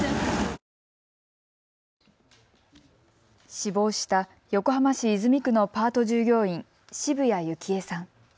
死亡した横浜市泉区のパート従業員、澁谷幸恵さん。